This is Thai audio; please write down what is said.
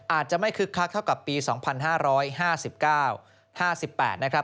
อาจจะไม่คึกคักเท่ากับปีสองพันห้าร้อยห้าสิบเก้าห้าสิบแปดนะครับ